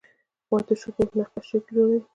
باد د شګو نقاشي جوړوي